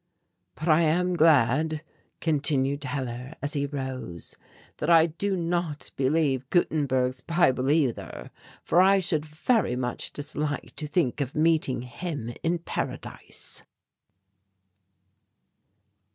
"But I am glad," concluded Hellar as he arose, "that I do not believe Gutenberg's Bible either, for I should very much dislike to think of meeting him in Paradise."